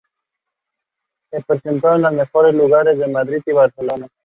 Se presentó en los mejores lugares de Madrid y Barcelona.